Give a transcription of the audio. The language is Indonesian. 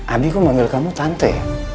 abi kok manggil kamu tante